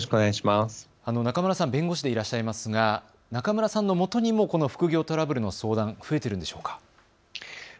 中村さんは弁護士でいらっしゃいますが中村さんのもとにも、この副業トラブルの相談増えているんでしょうか。